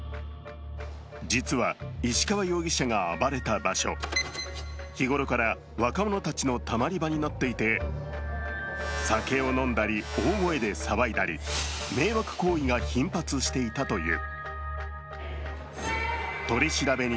実は石川容疑者が暴れた場所日頃から若者たちのたまり場になっていて酒を飲んだり大声で騒いだり、迷惑行為が頻発していたという。